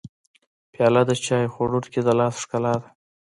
پیاله د چای خوړونکي د لاس ښکلا ده.